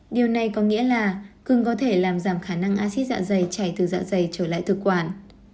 điều này có nghĩa là cường có thể làm giảm khả năng acid dạ dày từ dạ dày trở lại thực quản